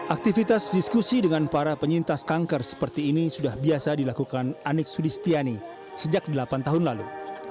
aktivitas diskusi dengan para penyintas kanker seperti ini sudah biasa dilakukan anik sudistiani sejak delapan tahun lalu